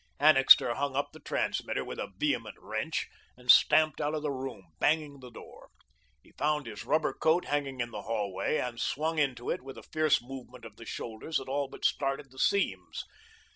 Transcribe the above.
Annixter hung up the transmitter with a vehement wrench and stamped out of the room, banging the door. He found his rubber coat hanging in the hallway and swung into it with a fierce movement of the shoulders that all but started the seams.